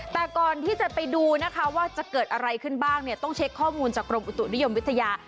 แต่ก่อนที่จะไปดูนะคะว่าจะเกิดอะไรขึ้นบ้างเนี่ยต้องเช็คข้อมูลจากกรมอุตุนิยมวิทยา